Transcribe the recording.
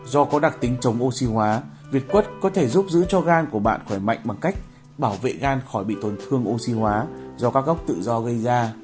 do có đặc tính chống oxy hóa việt quất có thể giúp giữ cho gan của bạn khỏe mạnh bằng cách bảo vệ gan khỏi bị tổn thương oxy hóa do các gốc tự do gây ra